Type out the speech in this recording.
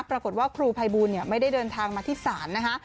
ปรากฏว่าครูภัยบูลไม่ได้เดินทางมาที่ศาลนะคะ